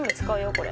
これ。